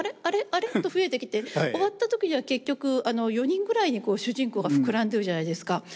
あれ？と増えてきて終わった時には結局４人ぐらいに主人公が膨らんでるじゃないですか。